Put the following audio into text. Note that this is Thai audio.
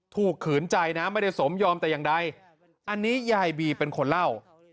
ขืนใจนะไม่ได้สมยอมแต่อย่างใดอันนี้ยายบีเป็นคนเล่า